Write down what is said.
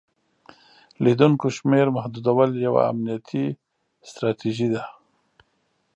د لیدونکو شمیر محدودول یوه امنیتي ستراتیژي ده.